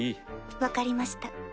分かりました。